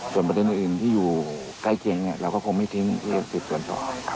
ส่วนประเด็นอื่นที่อยู่ใกล้เคียงเราก็คงไม่ทิ้งที่จะสืบสวนต่อ